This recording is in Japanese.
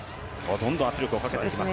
どんどん圧力をかけます。